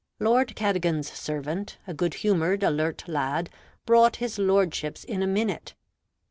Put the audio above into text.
Lord Cadogan's servant, a good humored, alert lad, brought his Lordship's in a minute.